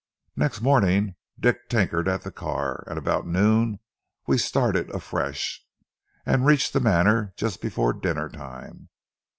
Next morning, Dick tinkered at the car, and about noon we started afresh, and reached the Manor just before dinner time....